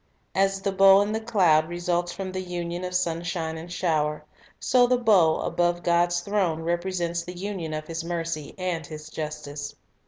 As the bow in the cloud results from the union of sunshine and shower, so the bow above God's throne represents the union of His mercy and His justice.